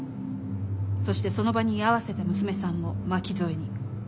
そしてその場に居合わせた娘さんも巻き添えに。